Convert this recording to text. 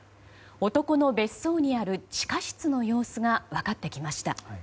男の別荘にある地下室の様子が分かってきました。